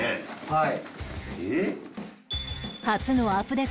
はい。